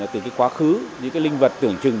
từ cái quá khứ những cái linh vật tưởng chừng